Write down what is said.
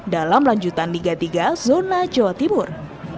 dalam lanjutan liga tiga zona jawa timur